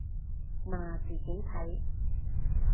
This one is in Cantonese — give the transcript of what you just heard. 嗱，自己睇